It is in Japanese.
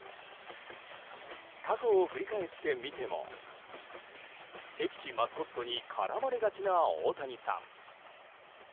過去を振り返ってみても敵地マスコットに絡まれがちな大谷さん。